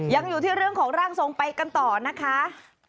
ยังอยู่ที่เรื่องของร่างทรงไปกันต่อนะคะ